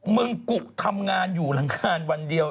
มึงกุกทำงานอยู่หลังคารวันเดียว